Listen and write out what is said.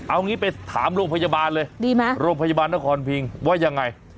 เอางี้ไปถามโรงพยาบาลเลยดีไหมโรงพยาบาลนครพิงว่ายังไง